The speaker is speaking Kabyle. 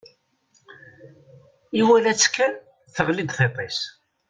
Iwala-tt kan, teɣli-d tiṭ-is.